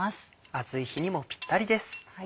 暑い日にもピッタリです。